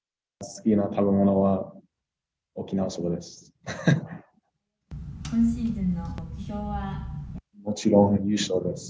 好きな食べ物は沖縄そばです。